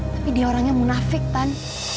tapi dia orangnya munafik kan